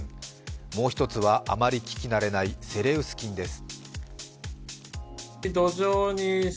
もう１つは、あまり聞き慣れないセレウス菌です。